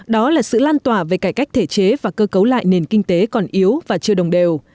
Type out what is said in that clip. đó là sự lan tỏa về cải cách thể chế và cơ cấu lại nền kinh tế còn yếu và chưa đồng đều